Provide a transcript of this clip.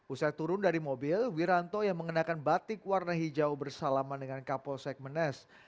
usai turun dari mobil wiranto yang mengenakan batik warna hijau bersalaman dengan kapolsek menes